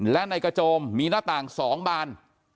และในกระโจมมีหน้าต่าง๒บาน